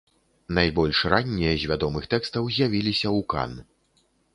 Найбольш раннія з вядомых тэкстаў з'явіліся ў кан.